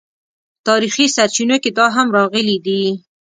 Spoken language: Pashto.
په تاریخي سرچینو کې دا هم راغلي دي.